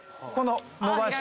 伸ばして。